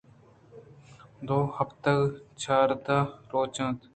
دوھَـپتَگ ءِ چاردَہ روچ اَنت